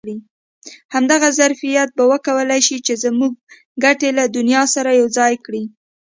همدغه ظرفیت به وکولای شي چې زموږ ګټې له دنیا سره یو ځای کړي.